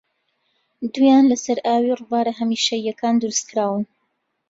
دوویان لەسەر ئاوی رووبارە هەمیشەییەکان دروستکراون